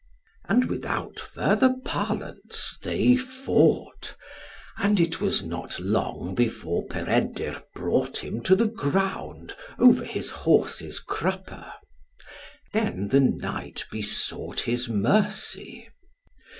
And without further parlance, they fought, and it was not long before Peredur brought him to the ground, over his horse's crupper. Then the knight besought his mercy.